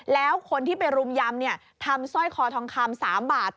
แล้วคนที่ไปรุมยำทำสร้อยคอทองคำ๓บาท